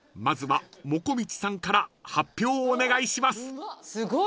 ［まずはもこみちさんから発表をお願いします］